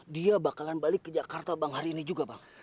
dia bakalan balik ke jakarta bang hari ini juga bang